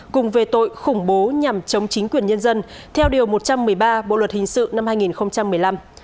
cùng về tội khủng bố nhằm chống chính quyền nhân dân theo điều một trăm một mươi ba bộ luật hình sự năm hai nghìn một mươi năm